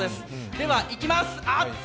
では、いきます！